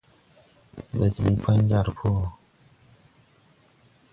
Ndo diŋ pan jar po wɔ.